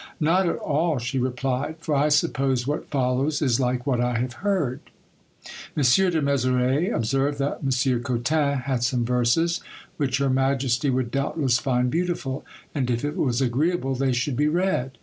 "Not at all," she replied, "for I suppose what follows is like what I have heard." M. de Mezeray observed that M. Cotin had some verses, which her majesty would doubtless find beautiful, and if it was agreeable they should be read.